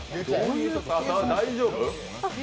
大丈夫？